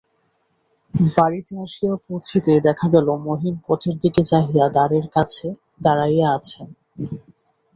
বাড়িতে আসিয়া পৌঁছিতেই দেখা গেল মহিম পথের দিকে চাহিয়া দ্বারের কাছে দাঁড়াইয়া আছেন।